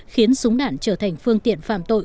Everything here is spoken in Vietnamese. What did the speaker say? khiến súng đạn trở thành phương tiện phạm tội